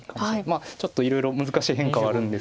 まあちょっといろいろ難しい変化はあるんですけど。